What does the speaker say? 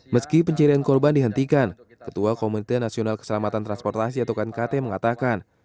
meski pencarian korban dihentikan ketua komite nasional keselamatan transportasi atau knkt mengatakan